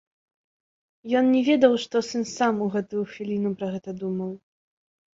Ён не ведаў, што сын сам у гэтую хвіліну пра гэта думаў.